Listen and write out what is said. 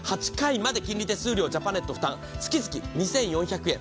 金利手数料はジャパネット負担、月々２４００円。